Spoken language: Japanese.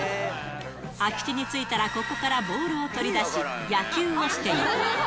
空き地に着いたらここからボールを取り出し、野球をしていた。